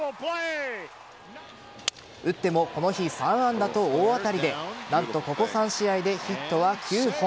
打ってもこの日３安打と大当たりで何と、ここ３試合でヒットは９本。